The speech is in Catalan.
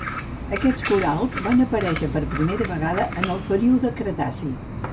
Aquests corals van aparèixer per primera vegada en el període Cretaci.